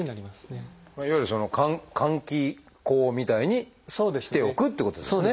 いわゆる換気口みたいにしておくってことですね。